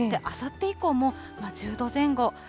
あさって以降も、１０度前後。